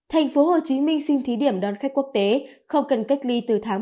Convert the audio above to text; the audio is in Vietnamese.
thành phố hồ chí minh xin thí điểm đón khách quốc tế không cần cách ly từ tháng một mươi hai